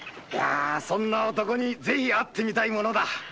そんな男に是非会って見たいものだ。